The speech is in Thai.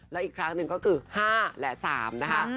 แล้วอีกครั้งหนึ่งก็คือ๕และ๓นะคะ